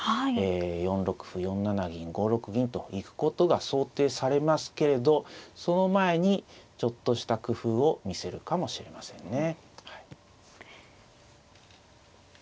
４六歩４七銀５六銀と行くことが想定されますけれどその前にちょっとした工夫を見せるかもしれませんね。